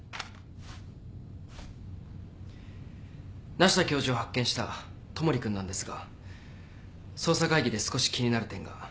梨多教授を発見した戸守君なんですが捜査会議で少し気になる点が。